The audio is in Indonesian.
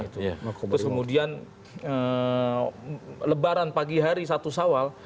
terus kemudian lebaran pagi hari satu sawal